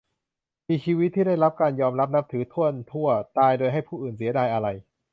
มีชีวิตที่ได้รับการยอมรับนับถือถ้วนทั่ว ตายโดยให้ผู้อื่นเสียดายอาลัย